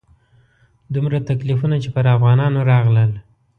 دومره تکلیفونه چې پر افغانانو راغلل.